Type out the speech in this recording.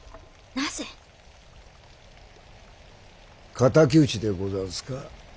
敵討ちでござんすか？